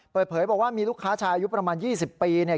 เปิดเผยบอกว่ามีลูกค้าชายอายุประมาณ๒๐ปีเนี่ย